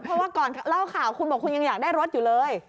เพราะว่าก่อนเล่าข่าวคุณบอกคุณยังอยากได้รถอยู่เลย